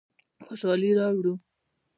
خوشحالي راوړو.